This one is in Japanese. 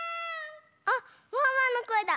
あっワンワンのこえだ！